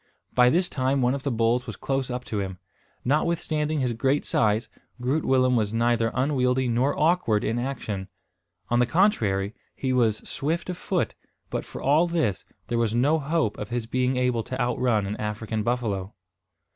By this time one of the bulls was close up to him. Notwithstanding his great size, Groot Willem was neither unwieldy nor awkward in action. On the contrary, he was swift of foot; but, for all this, there was no hope of his being able to outrun an African buffalo.